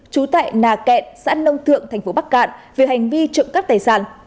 chú tại nà kẹn xã nông thượng tp bắc cạn về hành vi trộm cắt tài sản